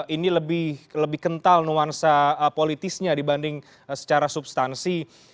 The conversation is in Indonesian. ini lebih kental nuansa politisnya dibanding secara substansi